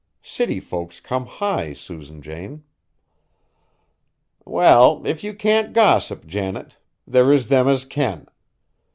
City folks come high, Susan Jane." "Well, if you can't gossip, Janet, there is them as can.